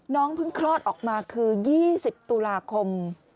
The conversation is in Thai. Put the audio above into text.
น้องเพิ่งคลอดออกมาคือ๒๐ตุลาคม